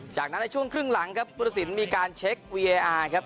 จากนั้นในช่วงครึ่งหลังครับพุทธศิลป์มีการเช็ควีเออาร์ครับ